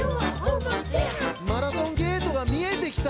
「マラソンゲートが見えてきた」